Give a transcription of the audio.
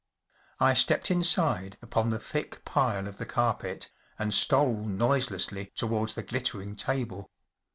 I stepped inside upon the thick pile of the carpet and stole noiselessly towards the glittering table.